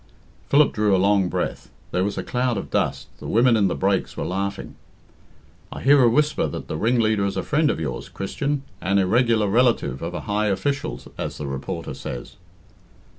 Philip drew a long breath: there was a cloud of dust; the women in the brakes were laughing. "I hear a whisper that the ringleader is a friend of yours, Christian 'an irregular relative of a high official,' as the reporter says."